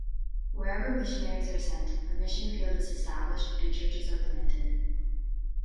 Wherever missionaries are sent, a mission field is established and churches are planted.